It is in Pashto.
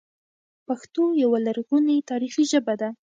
پښتو یوه لرغونې تاریخي ژبه ده